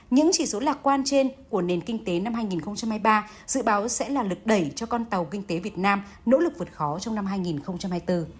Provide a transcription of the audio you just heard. những chỉ số lạc quan trên của nền kinh tế năm hai nghìn hai mươi ba dự báo sẽ là lực đẩy cho con tàu kinh tế việt nam nỗ lực vượt khó trong năm hai nghìn hai mươi bốn